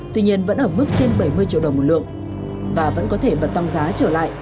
tuy nhiên vẫn ở mức trên bảy mươi triệu đồng một lượng và vẫn có thể bật tăng giá trở lại